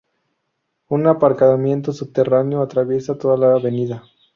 Un aparcamiento subterráneo atraviesa toda la avenida.